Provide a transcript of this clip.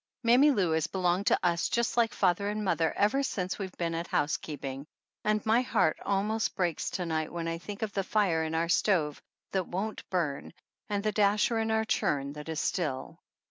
Mammy Lou has belonged to us just like father and mother ever since we've been at housekeep ing, and my heart almost breaks to night when I think of the fire in our stove that won't burn and the dasher in our churn that is still.